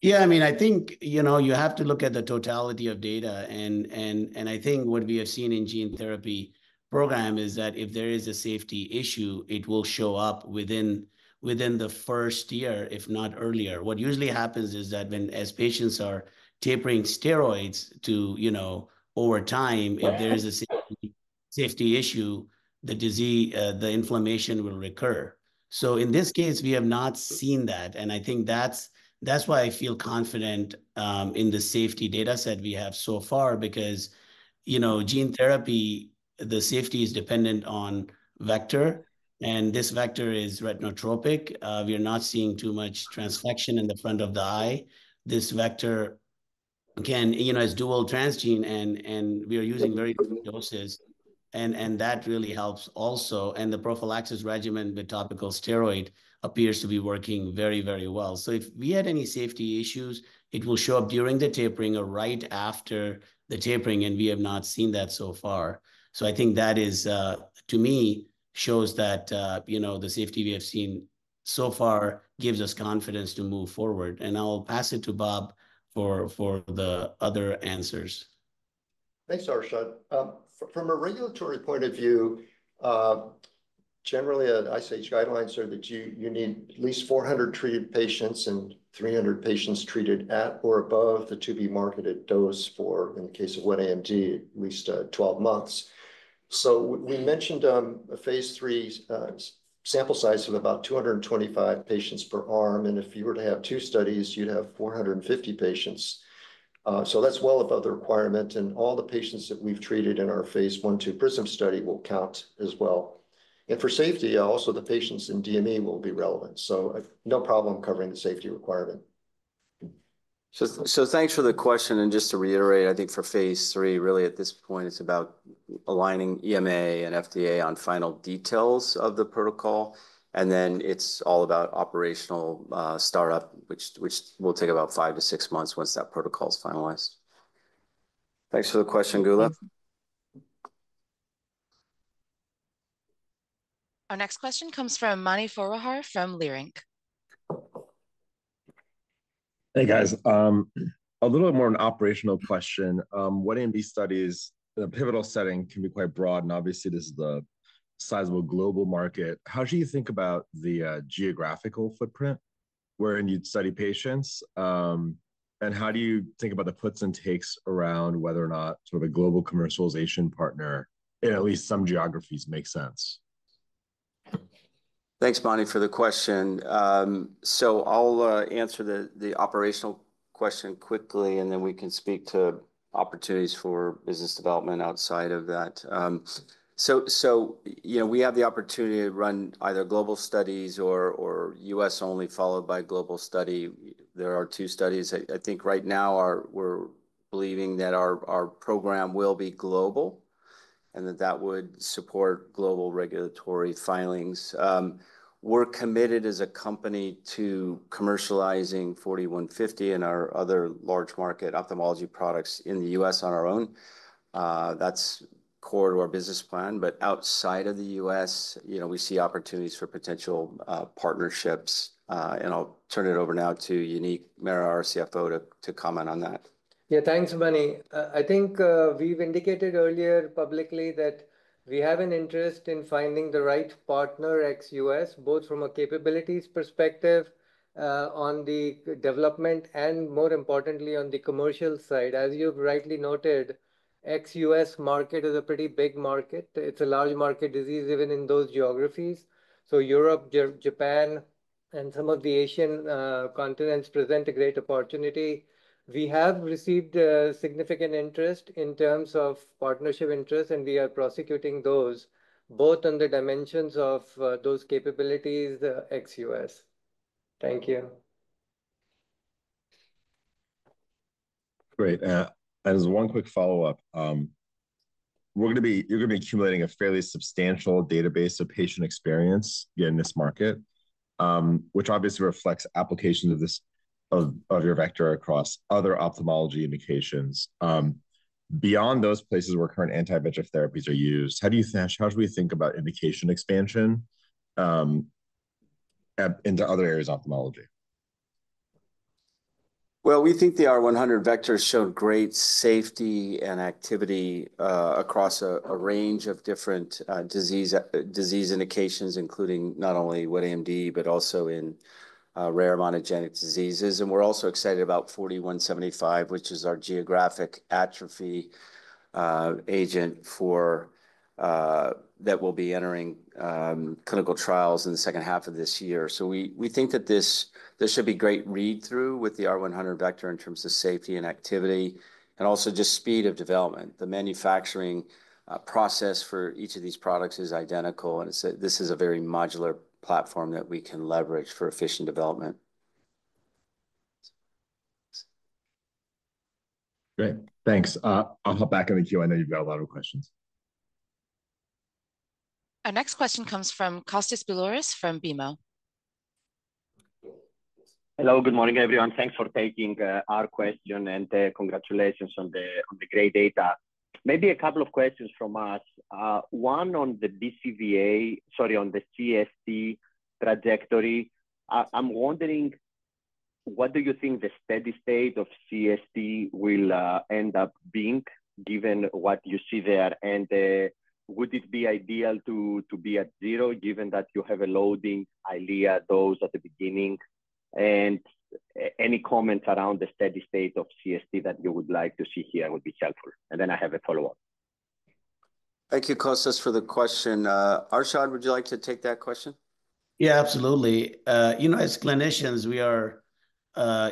Yeah, I mean, I think, you know, you have to look at the totality of data, and I think what we have seen in gene therapy program is that if there is a safety issue, it will show up within the first year, if not earlier. What usually happens is that as patients are tapering steroids to, you know, over time- Right... if there is a safety issue, the disease, the inflammation will recur. So in this case, we have not seen that, and I think that's why I feel confident in the safety data set we have so far, because, you know, gene therapy, the safety is dependent on vector, and this vector is retinotropic. We are not seeing too much transfection in the front of the eye. This vector, again, you know, is dual transgene, and we are using very good doses, and that really helps also. The prophylaxis regimen with topical steroid appears to be working very, very well. So if we had any safety issues, it will show up during the tapering or right after the tapering, and we have not seen that so far. So I think that is, to me, shows that, you know, the safety we have seen so far gives us confidence to move forward. And I'll pass it to Bob for the other answers. Thanks, Arshad. From a regulatory point of view, generally, I say guidelines are that you, you need at least 400 treated patients and 300 patients treated at or above the to-be-marketed dose for, in the case of wet AMD, at least, 12 months. So we mentioned, a phase III, sample size of about 225 patients per arm, and if you were to have two studies, you'd have 450 patients. So that's well above the requirement, and all the patients that we've treated in our phase 1/2 PRISM study will count as well. And for safety, also, the patients in DME will be relevant, so no problem covering the safety requirement. So, thanks for the question, and just to reiterate, I think for phase III, really, at this point, it's about aligning EMA and FDA on final details of the protocol, and then it's all about operational start-up, which will take about 5-6 months once that protocol is finalized. Thanks for the question, Geulah. Our next question comes from Mani Foroohar from Leerink Partners. Hey, guys. A little more an operational question. What AMD studies, the pivotal setting can be quite broad, and obviously, this is the sizable global market. How do you think about the geographical footprint wherein you'd study patients? And how do you think about the puts and takes around whether or not sort of a global commercialization partner in at least some geographies make sense? Thanks, Mani, for the question. So I'll answer the operational question quickly, and then we can speak to opportunities for business development outside of that. You know, we have the opportunity to run either global studies or U.S. only, followed by global study. There are two studies. I think right now we're believing that our program will be global and that that would support global regulatory filings. We're committed as a company to commercializing 4D-150 and our other large market ophthalmology products in the U.S. on our own. That's core to our business plan, but outside of the U.S., you know, we see opportunities for potential partnerships. And I'll turn it over now to Uneek Mehra, our CFO, to comment on that. Yeah, thanks, Mani. I think, we've indicated earlier publicly that we have an interest in finding the right partner ex-US, both from a capabilities perspective, on the development and, more importantly, on the commercial side. As you've rightly noted, ex-US market is a pretty big market. It's a large market disease, even in those geographies. So Europe, Japan, and some of the Asian continents present a great opportunity. We have received significant interest in terms of partnership interest, and we are prosecuting those, both on the dimensions of those capabilities, the ex-US. Thank you. Great. And as one quick follow-up, we're going to be—you're going to be accumulating a fairly substantial database of patient experience here in this market, which obviously reflects applications of this, of your vector across other ophthalmology indications. Beyond those places where current anti-VEGF therapies are used, how do you think—how should we think about indication expansion, into other areas of ophthalmology? Well, we think the R100 vector showed great safety and activity across a range of different disease indications, including not only wet AMD but also in rare monogenic diseases. And we're also excited about 4D-175, which is our geographic atrophy agent for that will be entering clinical trials in the second half of this year. So we think that this should be great read-through with the R100 vector in terms of safety and activity, and also just speed of development. The manufacturing process for each of these products is identical, and it's, this is a very modular platform that we can leverage for efficient development. Great. Thanks. I'll hop back in the queue. I know you've got a lot of questions. Our next question comes from Kostas Biliouris from BMO. Hello, good morning, everyone. Thanks for taking our question, and congratulations on the great data. Maybe a couple of questions from us. One on the BCVA, sorry, on the CST trajectory. I'm wondering, what do you think the steady state of CST will end up being, given what you see there? And would it be ideal to be at zero, given that you have a loading Eylea dose at the beginning? And any comments around the steady state of CST that you would like to see here would be helpful. And then I have a follow-up. Thank you, Kostas, for the question. Arshad, would you like to take that question? Yeah, absolutely. You know, as clinicians, we are,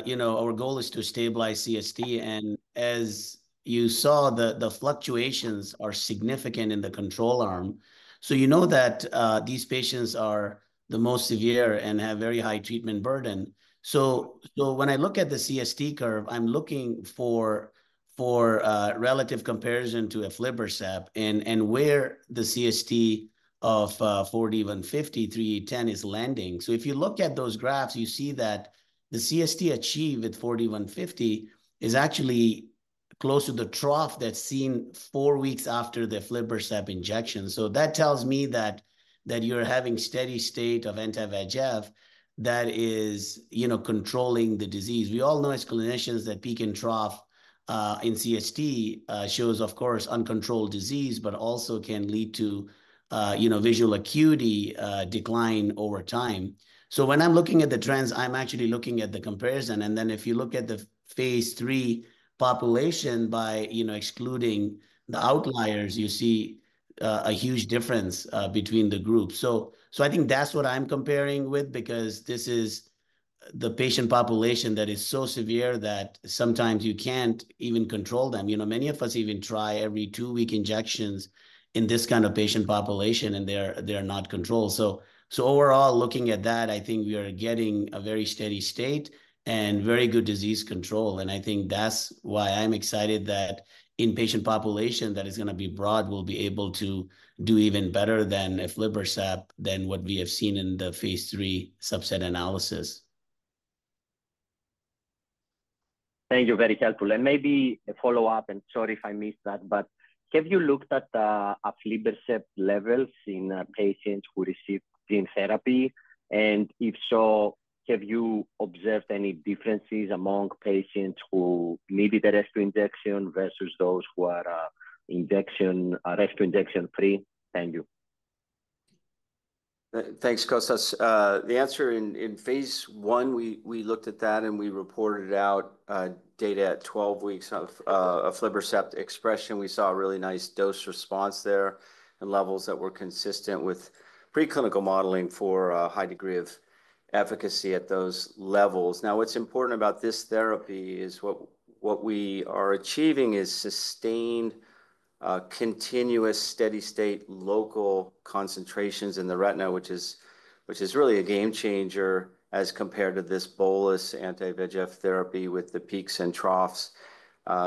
you know, our goal is to stabilize CST, and as you saw, the fluctuations are significant in the control arm. So you know that these patients are the most severe and have very high treatment burden. So when I look at the CST curve, I'm looking for relative comparison to aflibercept and where the CST of 4D-150, 4D-310 is landing. So if you look at those graphs, you see that the CST achieved at 4D-150 is actually close to the trough that's seen four weeks after the aflibercept injection. So that tells me that you're having steady state of anti-VEGF that is, you know, controlling the disease. We all know as clinicians, that peak and trough in CST shows, of course, uncontrolled disease, but also can lead to, you know, visual acuity decline over time. So when I'm looking at the trends, I'm actually looking at the comparison, and then if you look at the Phase III population by, you know, excluding the outliers, you see a huge difference between the groups. So, so I think that's what I'm comparing with, because this is the patient population that is so severe that sometimes you can't even control them. You know, many of us even try every two-week injections in this kind of patient population, and they're not controlled. So, so overall, looking at that, I think we are getting a very steady state and very good disease control, and I think that's why I'm excited that in patient population that is going to be broad, we'll be able to do even better than aflibercept than what we have seen in the phase III subset analysis. Thank you. Very helpful. And maybe a follow-up, and sorry if I missed that, but have you looked at aflibercept levels in patients who received gene therapy? And if so, have you observed any differences among patients who needed a rescue injection versus those who are rescue injection-free? Thank you. Thanks, Kostas. The answer in phase I, we looked at that, and we reported out data at 12 weeks of aflibercept expression. We saw a really nice dose response there and levels that were consistent with preclinical modeling for a high degree of efficacy at those levels. Now, what's important about this therapy is what we are achieving is sustained, continuous, steady-state, local concentrations in the retina, which is really a game changer as compared to this bolus anti-VEGF therapy with the peaks and troughs.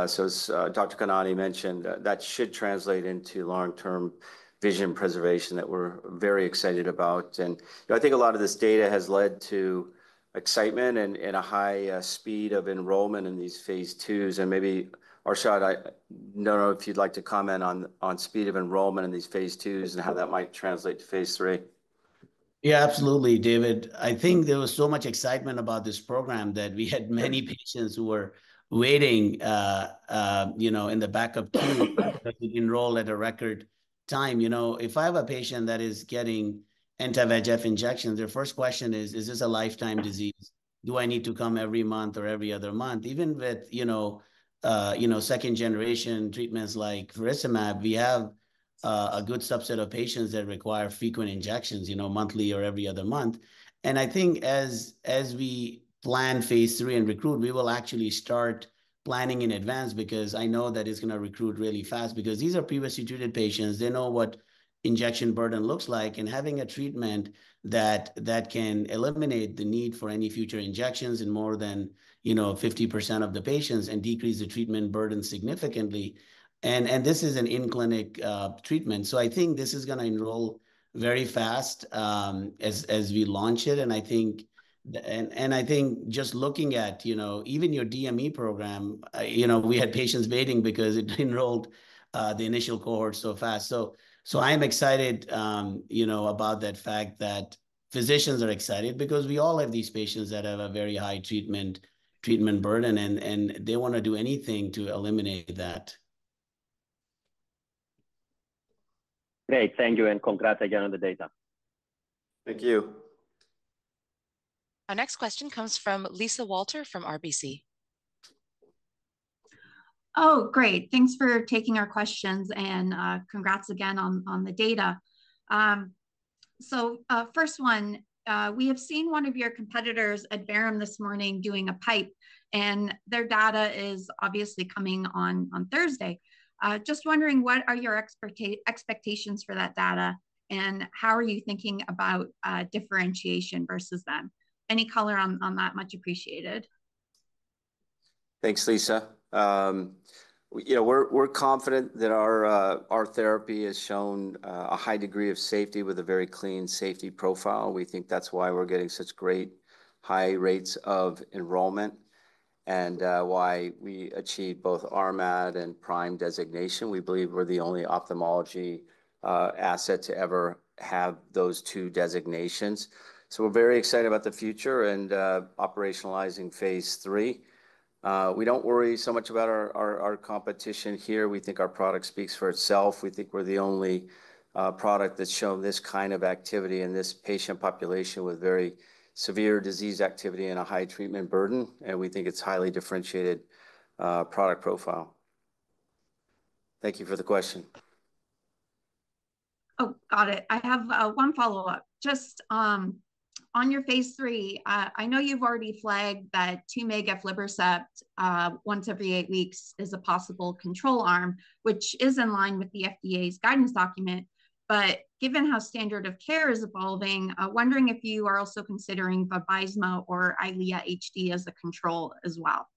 So as Dr. Khanani mentioned, that should translate into long-term vision preservation that we're very excited about. And, you know, I think a lot of this data has led to excitement and a high speed of enrollment in these phase IIs. Maybe, Arshad, I don't know if you'd like to comment on speed of enrollment in these phase IIs and how that might translate to phase III. Yeah, absolutely, David. I think there was so much excitement about this program that we had many patients who were waiting, you know, in the back of queue to enroll at a record time. You know, if I have a patient that is getting anti-VEGF injections, their first question is: "Is this a lifetime disease? Do I need to come every month or every other month?" Even with, you know, second-generation treatments like faricimab, we have a good subset of patients that require frequent injections, you know, monthly or every other month. And I think as we plan phase III and recruit, we will actually start planning in advance because I know that it's going to recruit really fast. Because these are previously treated patients, they know what injection burden looks like, and having a treatment that can eliminate the need for any future injections in more than, you know, 50% of the patients and decrease the treatment burden significantly. And this is an in-clinic treatment, so I think this is going to enroll very fast as we launch it. And I think just looking at, you know, even your DME program, you know, we had patients waiting because it enrolled the initial cohort so fast. So I am excited, you know, about that fact that physicians are excited because we all have these patients that have a very high treatment burden, and they want to do anything to eliminate that. Great. Thank you, and congrats again on the data. Thank you. Our next question comes from Lisa Walter from RBC. Oh, great. Thanks for taking our questions, and, congrats again on, on the data. So, first one, we have seen one of your competitors at Barclays this morning doing a PIPE, and their data is obviously coming on, on Thursday. Just wondering, what are your expectations for that data, and how are you thinking about, differentiation versus them? Any color on, on that much appreciated. Thanks, Lisa. You know, we're confident that our therapy has shown a high degree of safety with a very clean safety profile. We think that's why we're getting such great high rates of enrollment, and why we achieved both RMAT and PRIME designation. We believe we're the only ophthalmology asset to ever have those two designations. So we're very excited about the future and operationalizing phase III. We don't worry so much about our competition here. We think our product speaks for itself. We think we're the only product that's shown this kind of activity in this patient population with very severe disease activity and a high treatment burden, and we think it's highly differentiated product profile. Thank you for the question. Oh, got it. I have 1 follow-up. Just on your phase III, I know you've already flagged that 2 mg aflibercept once every 8 weeks is a possible control arm, which is in line with the FDA's guidance document. But given how standard of care is evolving, I'm wondering if you are also considering Vabysmo or Eylea HD as the control as well?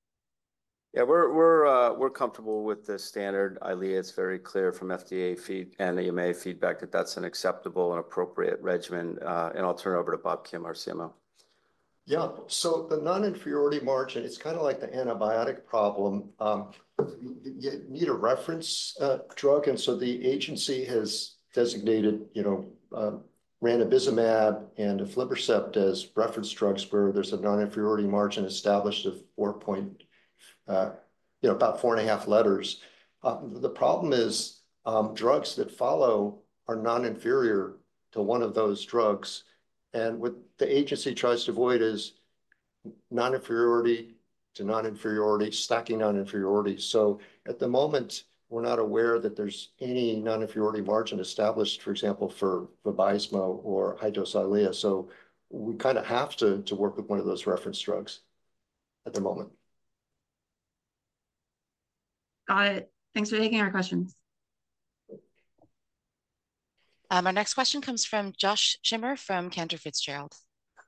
Yeah, we're comfortable with the standard Eylea. It's very clear from FDA feedback and EMA feedback that that's an acceptable and appropriate regimen. And I'll turn it over to Bob Kim, our CMO. Yeah. So the non-inferiority margin, it's like the antibiotic problem. You need a reference drug, and so the agency has designated, you know, ranibizumab and aflibercept as reference drugs, where there's a non-inferiority margin established of four point- you know, about 4.5 letters. The problem is, drugs that follow are non-inferior to one of those drugs, and what the agency tries to avoid is non-inferiority to non-inferiority, stacking non-inferiority. So at the moment, we're not aware that there's any non-inferiority margin established, for example, for Vabysmo or high-dose Eylea, so we have to work with one of those reference drugs at the moment. Got it. Thanks for taking our questions. Our next question comes from Josh Schimmer from Cantor Fitzgerald.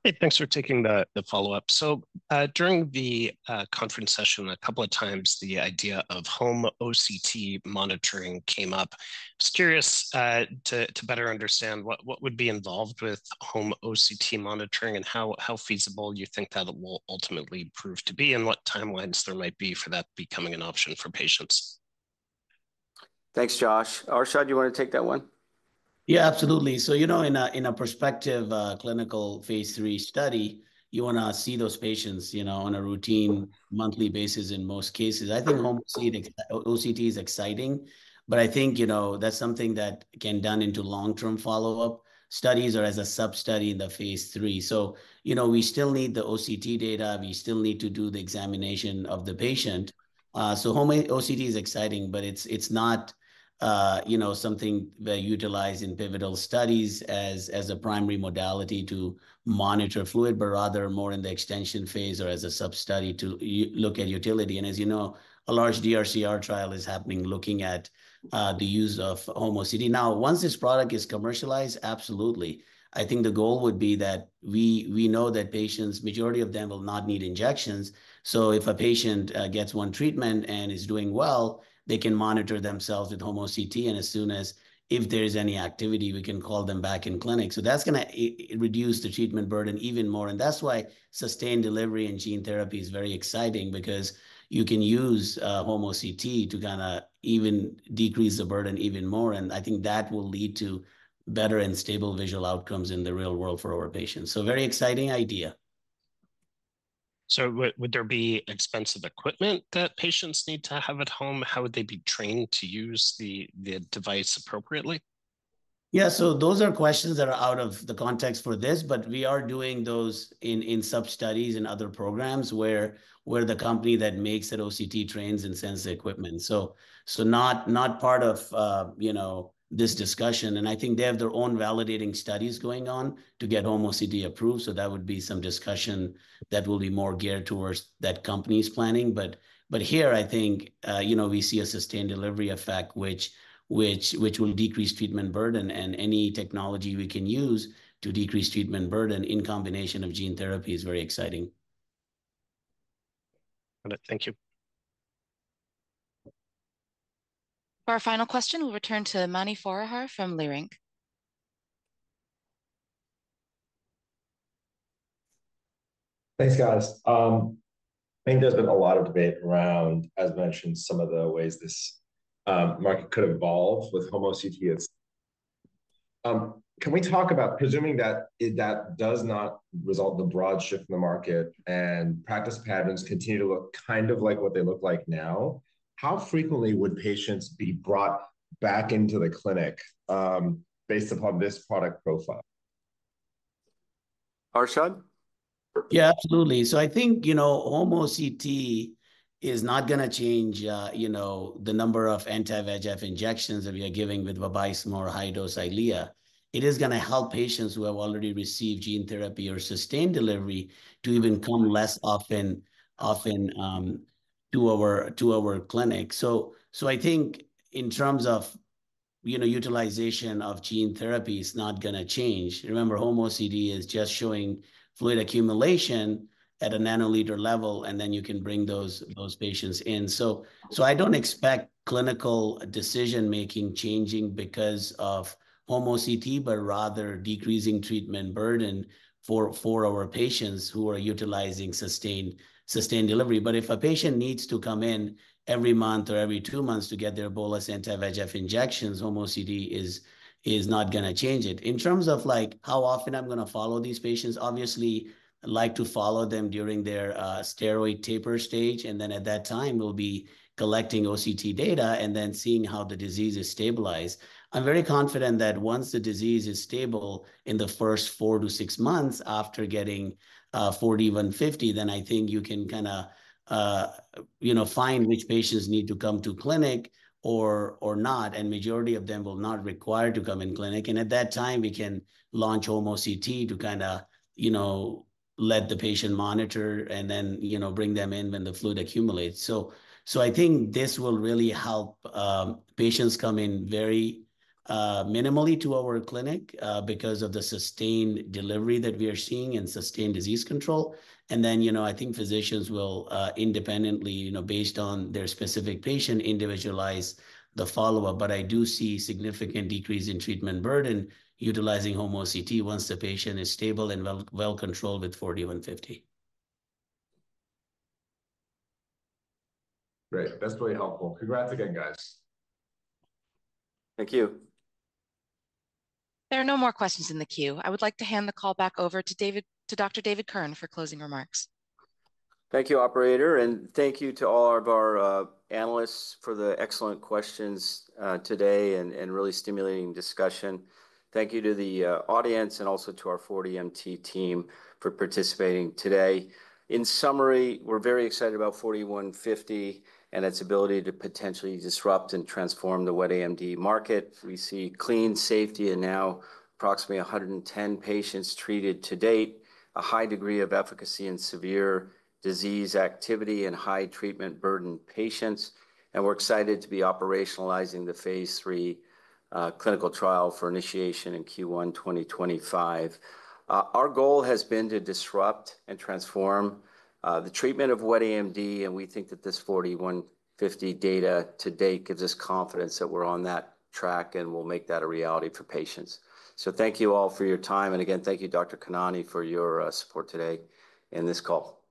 Hey, thanks for taking the follow-up. So, during the conference session, a couple of times, the idea of home OCT monitoring came up. Just curious, to better understand what would be involved with home OCT monitoring and how feasible you think that will ultimately prove to be, and what timelines there might be for that becoming an option for patients? Thanks, Josh. Arshad, you want to take that one? Yeah, absolutely. So, you know, in a prospective clinical phase III study, you want to see those patients, you know, on a routine monthly basis in most cases. I think home OCT, OCT is exciting, but I think, you know, that's something that can be done in long-term follow-up studies or as a sub-study in the phase III. So, you know, we still need the OCT data. We still need to do the examination of the patient. So home OCT is exciting, but it's not, you know, something that is utilized in pivotal studies as a primary modality to monitor fluid, but rather more in the extension phase or as a sub-study to look at utility. And as you know, a large DRCR trial is happening, looking at the use of home OCT. Now, once this product is commercialized, absolutely. I think the goal would be that we know that patients, majority of them will not need injections, so if a patient gets one treatment and is doing well, they can monitor themselves with home OCT, and as soon as if there's any activity, we can call them back in clinic. So that's going to reduce the treatment burden even more, and that's why sustained delivery and gene therapy is very exciting because you can use home OCT to kind of even decrease the burden even more, and I think that will lead to better and stable visual outcomes in the real world for our patients. So very exciting idea. So would there be expensive equipment that patients need to have at home? How would they be trained to use the device appropriately?... Yeah, so those are questions that are out of the context for this, but we are doing those in sub-studies and other programs where the company that makes that OCT trains and sends the equipment. So not part of, you know, this discussion, and I think they have their own validating studies going on to get home OCT approved. So that would be some discussion that will be more geared towards that company's planning. But here, I think, you know, we see a sustained delivery effect, which will decrease treatment burden, and any technology we can use to decrease treatment burden in combination of gene therapy is very exciting. Thank you. For our final question, we'll return to Mani Foroohar from Leerink. Thanks, guys. I think there's been a lot of debate around, as mentioned, some of the ways this market could evolve with home OCT. Can we talk about presuming that it, that does not result in a broad shift in the market, and practice patterns continue to look kind of like what they look like now, how frequently would patients be brought back into the clinic, based upon this product profile? Arshad? Yeah, absolutely. So I think, you know, home OCT is not going to change, you know, the number of anti-VEGF injections that we are giving with Vabysmo or high-dose Eylea. It is going to help patients who have already received gene therapy or sustained delivery to even come less often to our clinic. So I think in terms of, you know, utilization of gene therapy is not going to change. Remember, home OCT is just showing fluid accumulation at a nanoliter level, and then you can bring those patients in. So I don't expect clinical decision-making changing because of home OCT, but rather decreasing treatment burden for our patients who are utilizing sustained delivery. But if a patient needs to come in every month or every two months to get their bolus anti-VEGF injections, home OCT is not going to change it. In terms of, like, how often I'm going to follow these patients, obviously, I'd like to follow them during their steroid taper stage, and then at that time, we'll be collecting OCT data and then seeing how the disease is stabilized. I'm very confident that once the disease is stable in the first 4-6 months after getting 4D-150, then I think you can kind of you know, find which patients need to come to clinic or, or not, and majority of them will not require to come in clinic. And at that time, we can launch home OCT to kind of, you know, let the patient monitor and then, you know, bring them in when the fluid accumulates. So, I think this will really help patients come in very minimally to our clinic because of the sustained delivery that we are seeing and sustained disease control. And then, you know, I think physicians will independently, you know, based on their specific patient, individualize the follow-up. But I do see significant decrease in treatment burden utilizing home OCT once the patient is stable and well-controlled with 4D-150. Great. That's really helpful. Congrats again, guys. Thank you. There are no more questions in the queue. I would like to hand the call back over to Dr. David Kirn for closing remarks. Thank you, operator, and thank you to all of our analysts for the excellent questions today and really stimulating discussion. Thank you to the audience and also to our 4DMT team for participating today. In summary, we're very excited about 4D-150 and its ability to potentially disrupt and transform the wet AMD market. We see clean safety and now approximately 110 patients treated to date, a high degree of efficacy in severe disease activity and high treatment burden patients, and we're excited to be operationalizing the phase 3 clinical trial for initiation in Q1 2025. Our goal has been to disrupt and transform the treatment of wet AMD, and we think that this 4D-150 data to date gives us confidence that we're on that track, and we'll make that a reality for patients. Thank you all for your time, and again, thank you, Dr. Khanani, for your support today in this call.